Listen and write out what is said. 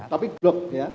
tapi glock ya